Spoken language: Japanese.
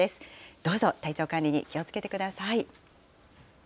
どうぞ体調管理に気をつけてください。